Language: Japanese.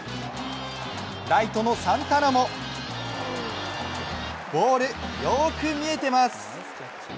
ライトのサンタナもボール、よーく見えてます。